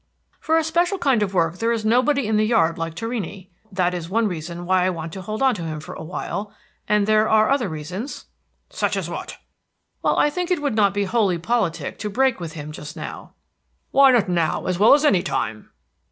"For a special kind of work there is nobody in the yard like Torrini. That is one reason why I want to hold on to him for a while, and there are other reasons." "Such as what?" "Well, I think it would not be wholly politic to break with him just now." "Why not now as well as any time?"